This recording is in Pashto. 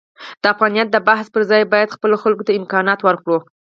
د افغانیت د بحث پرځای باید خپلو خلکو ته امکانات ورکړو.